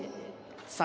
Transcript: さあ